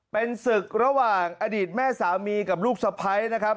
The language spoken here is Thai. เป็นศึกระหว่างอดีตแม่สามีกับลูกสะพ้ายนะครับ